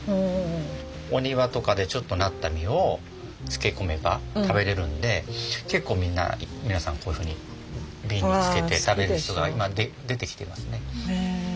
お庭とかでちょっとなった実を漬け込めば食べれるんで結構皆さんこういうふうに瓶に漬けて食べる人が今出てきていますね。